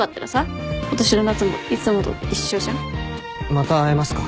また会えますか？